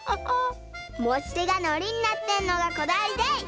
もちてがのりになってるのがこだわりでい！